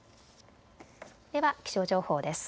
では気象情報です。